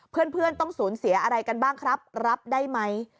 เพื่อนต้องสูญเสียอะไรกันบ้างครับรับได้ไหม